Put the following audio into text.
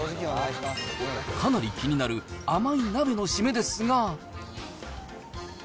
かなり気になる甘い鍋の締めですが。